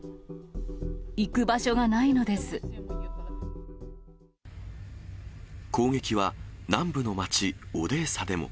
行く場所がないのです。